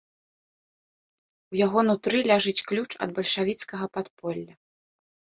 У яго нутры ляжыць ключ ад бальшавіцкага падполля.